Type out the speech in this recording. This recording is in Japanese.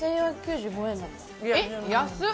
えっ安っ！